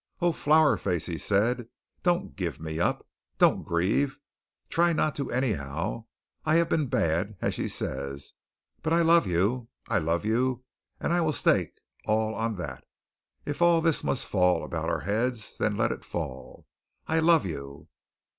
"Oh, Flower Face," he said, "don't give me up! Don't grieve. Try not to, anyhow. I have been bad, as she says, but I love you. I love you, and I will stake all on that. If all this must fall about our heads, then let it fall. I love you."